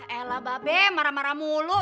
ella babe marah marah mulu